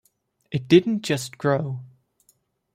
It didn't just grow.